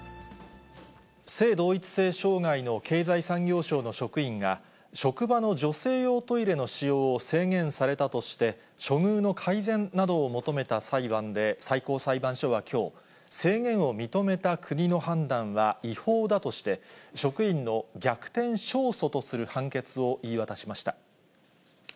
性同一性障害の経済産業省の職員が、職場の女性用トイレの使用を制限されたとして、処遇の改善などを求めた裁判で、最高裁判所はきょう、制限を認めた国の判断は違法だとして、職員の逆転勝訴とする判決を言い渡しました。